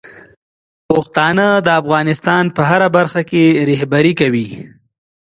پښتانه د افغانستان په هره برخه کې رهبري کوي.